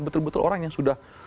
betul betul orang yang sudah